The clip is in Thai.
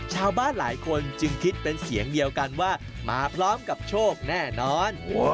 ชาวบ้านหลายคนจึงคิดเป็นเสียงเดียวกันว่ามาพร้อมกับโชคแน่นอน